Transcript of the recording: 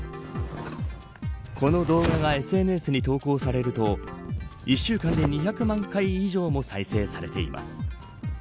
この動画がＳＮＳに投稿されると１週間で２００万回以上も再生されています。